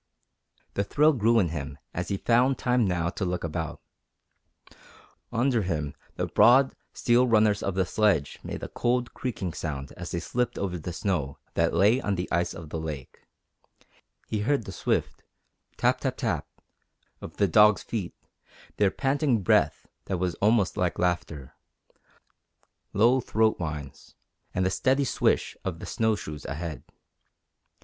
The thrill grew in him as he found time now to look about. Under him the broad, steel runners of the sledge made a cold, creaking sound as they slipped over the snow that lay on the ice of the lake; he heard the swift tap, tap, tap of the dogs' feet, their panting breath that was almost like laughter, low throat whines, and the steady swish of the snow shoes ahead.